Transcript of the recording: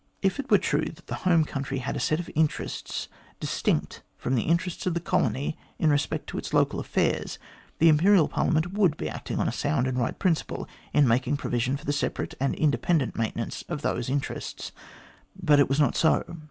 If it were true that the home country had a set of interests distinct from the interests of the colony in respect to its local affairs, the Imperial Parliament would be acting on a sound and right principle in making provision for the separate and independent maintenance of those interests. But it was not so.